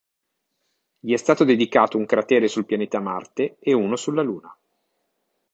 Gli è stato dedicato un cratere sul pianeta Marte e uno sulla Luna.